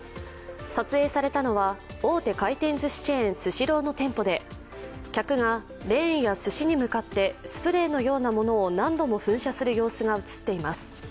撮影されたのは大手回転ずしチェーン、スシローの店舗で客がレーンや、すしに向かってスプレーのようなものを何度も噴射する様子が映っています。